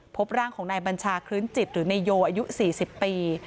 พบร่างของนายบัญชาคลื้นจิตหรือนายโยอายุ๔๐ปี